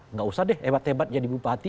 nggak usah deh hebat hebat jadi bupati